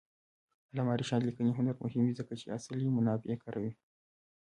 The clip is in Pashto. د علامه رشاد لیکنی هنر مهم دی ځکه چې اصلي منابع کاروي.